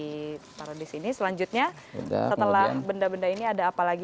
ditaruh di sini selanjutnya setelah benda benda ini ada apa lagi